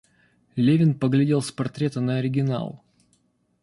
Левин поглядел с портрета на оригинал.